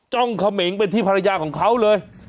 จ้องเขมงไปที่ภรรยาของเขาเลย